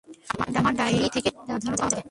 আমার ডায়রি থেকে বিস্তর উদাহরণ পাওয়া যাবে।